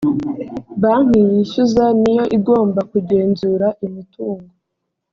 banki yishyuza niyo igomba kugenzura imitungo